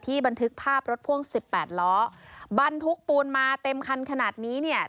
บันทึกภาพรถพ่วงสิบแปดล้อบรรทุกปูนมาเต็มคันขนาดนี้เนี่ย